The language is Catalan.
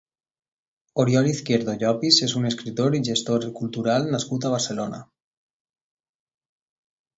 Oriol Izquierdo Llopis és un escriptor i gestor cultural nascut a Barcelona.